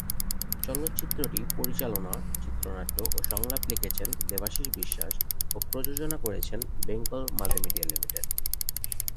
চলচ্চিত্রটি পরিচালনা, চিত্রনাট্য ও সংলাপ লিখেছেন দেবাশীষ বিশ্বাস ও প্রযোজনা করেছে বেঙ্গল মাল্টিমিডিয়া লিমিটেড।